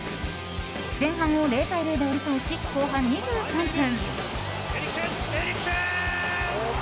前半を０対０で折り返し後半２３分。